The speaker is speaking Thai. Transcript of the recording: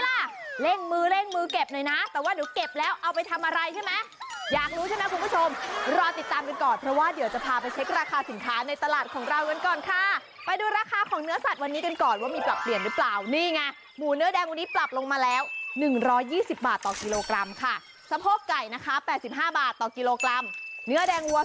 ล่ะเร่งมือเร่งมือเก็บหน่อยนะแต่ว่าเดี๋ยวเก็บแล้วเอาไปทำอะไรใช่ไหมอยากรู้ใช่ไหมคุณผู้ชมรอติดตามกันก่อนเพราะว่าเดี๋ยวจะพาไปเช็คราคาสินค้าในตลาดของเรากันก่อนค่ะไปดูราคาของเนื้อสัตว์วันนี้กันก่อนว่ามีปรับเปลี่ยนหรือเปล่านี่ไงหมูเนื้อแดงวันนี้ปรับลงมาแล้ว๑๒๐บาทต่อกิโลกรัมค่ะสะโพกไก่นะคะ๘๕บาทต่อกิโลกรัมเนื้อแดงวั